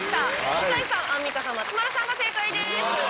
向井さん、アンミカさん松丸さんが正解です。